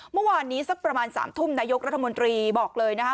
เมื่อวานนี้สักประมาณ๓ทุ่มนายกรัฐมนตรีบอกเลยนะคะ